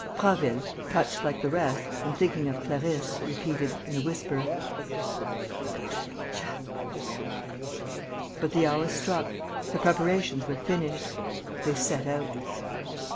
Prasville, touched like the rest and thinking of Clarisse, repeated, in a whisper: "Poor little chap!" But the hour struck, the preparations were finished. They set out.